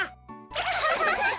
アハハハハ。